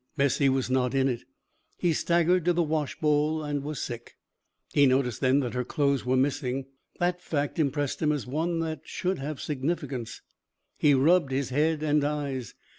Bessie was not in it. He staggered to the wash bowl and was sick. He noticed then that her clothes were missing. The fact impressed him as one that should have significance. He rubbed his head and eyes.